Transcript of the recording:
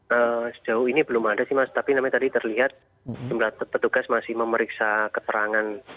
hai tahu ini belum ada simas tapi namanya tadi terlihat jumlah petugas masih memeriksa keterangan